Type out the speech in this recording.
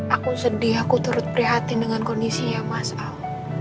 aku sedih aku turut prihatin dengan kondisinya mas al